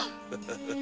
ハハハ。